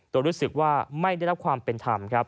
ตัวรู้สึกว่าไม่ได้รับความเป็นธรรม